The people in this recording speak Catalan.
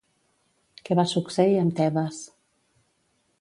Què va succeir amb Tebes?